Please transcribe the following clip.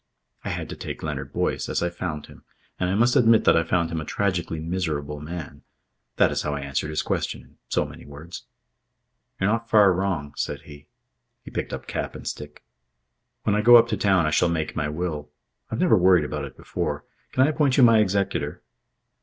I had to take Leonard Boyce as I found him. And I must admit that I found him a tragically miserable man. That is how I answered his question in so many words. "You're not far wrong," said he. He picked up cap and stick. "When I get up to town I shall make my will. I've never worried about it before. Can I appoint you my executor?"